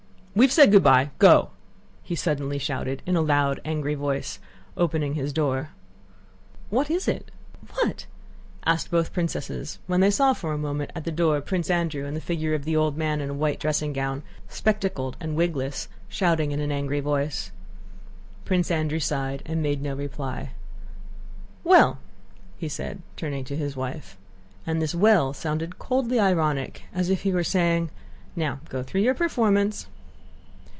"We've said good by. Go!" he suddenly shouted in a loud, angry voice, opening his door. "What is it? What?" asked both princesses when they saw for a moment at the door Prince Andrew and the figure of the old man in a white dressing gown, spectacled and wigless, shouting in an angry voice. Prince Andrew sighed and made no reply. "Well!" he said, turning to his wife. And this "Well!" sounded coldly ironic, as if he were saying: "Now go through your performance."